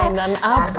mainan apa itu